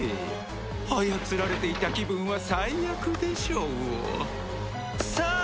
操られていた気分は最悪でしょう。さあ！